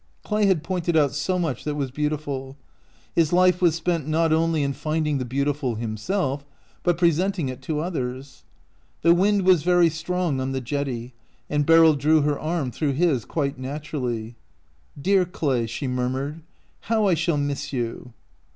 Clay had pointed out so much that was beautiful. His life was spent not only in finding the beautiful himself, but presenting it to others. The wind was very strong on the jetty, and Beryl drew her arm through his quite naturally. " Dear Clay," she mur mured, " how I shall miss you."